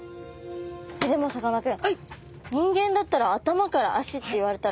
でもさかなクン人間だったら頭から足って言われたら。